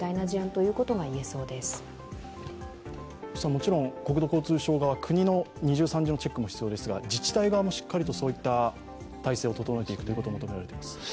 もちろん国土交通省側、国の二重三重のチェックも必要ですが、自治体側もしっかりとそういった態勢を整えていくということになりますか。